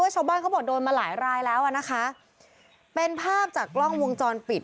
เขาบอกโดนมาหลายรายแล้วอ่ะนะคะเป็นภาพจากกล้องวงจรปิด